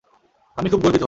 আমি খুব গর্বিত।